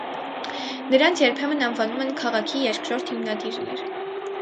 Նրանց երբեմն անվանում են «քաղաքի երկրորդ հիմնադիրներ»։